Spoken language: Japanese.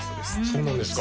そうなんです